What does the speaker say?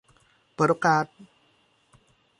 เปิดโอกาส